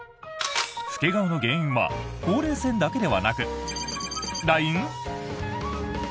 老け顔の原因はほうれい線だけではなく○○ライン！？